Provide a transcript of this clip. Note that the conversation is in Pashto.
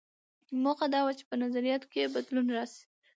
موخه دا وه چې په نظریاتو کې یې بدلون راشي.